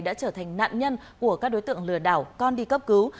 đã trở thành nạn nhân của các đối tượng lừa đảo con đi cấp cứu